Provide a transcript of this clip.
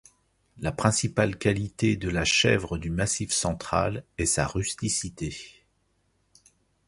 La principale qualité de la chèvre du Massif central est sa rusticité.